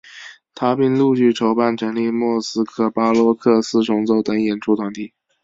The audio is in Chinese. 他并陆续筹办成立莫斯科巴洛克四重奏等演出团体。